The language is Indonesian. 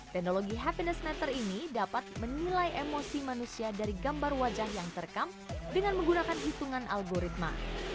teknologi happiness natter ini dapat menilai emosi manusia dari gambar wajah yang terekam dengan menggunakan hitungan algoritma